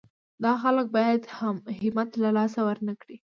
دا خلک باید همت له لاسه ورنه کړي.